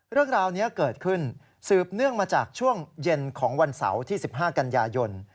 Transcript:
เรื่องราวนี้เกิดขึ้นสืบเนื่องมาจากช่วงเย็นของวันเสาร์ที่๑๕กันยายน